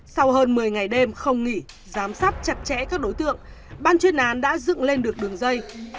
sau hơn một mươi ngày đêm không nghỉ giám sát chặt chẽ các đối tượng ban chuyên án đã dựng lên được đường dây